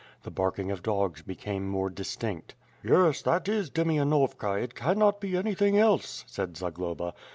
The barking of dogs became more distinct. "Yes, that is Demianovka, it cannot be anything else," said Zagloba.